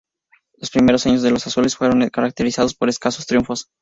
Los primeros años de "los Azules" fueron caracterizados por escasos triunfos.